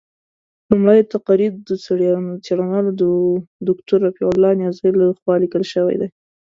لومړۍ تقریض د څېړنوال دوکتور رفیع الله نیازي له خوا لیکل شوی دی.